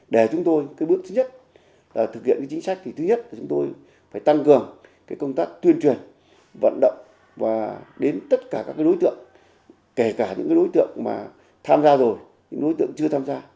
để chúng tôi cái bước thứ nhất là thực hiện chính sách thì thứ nhất là chúng tôi phải tăng cường công tác tuyên truyền vận động và đến tất cả các đối tượng kể cả những đối tượng mà tham gia rồi những đối tượng chưa tham gia